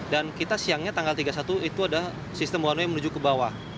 dan kita siangnya tanggal tiga puluh satu itu ada sistem one way menuju ke bawah